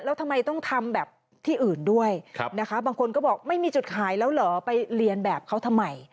แล้วทำไมต้องทำแบบที่อื่นด้วยนะคะบางคนก็บอกไม่มีจุดขายแล้วเหรอไปเรียนแบบเขาทำไม